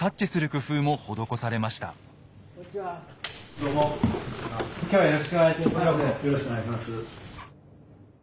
よろしくお願いします。